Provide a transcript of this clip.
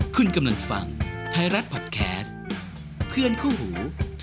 คุณกำลังฟังไทยรัฐพอดแคสต์เพื่อนคู่หู